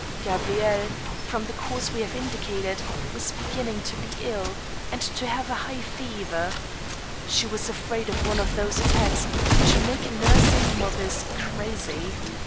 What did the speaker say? Gabrielle, from the cause we have indicated, was beginning to 42 THE STEEL HAMMER. be ill, and to have a high fever. She was afraid of one of those attacks which make nursing mothers crazy.